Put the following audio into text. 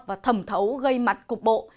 và thầm thấu gây mặt cục bộ